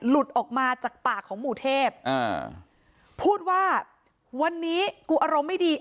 หลุดออกมาจากปากของหมู่เทพอ่าพูดว่าวันนี้กูอารมณ์ไม่ดี